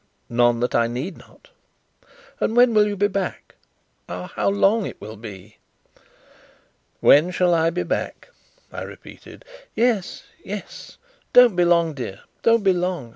"None that I need not." "And when will you be back? Ah, how long will it be!" "When shall I be back?" I repeated. "Yes, yes! Don't be long, dear, don't be long.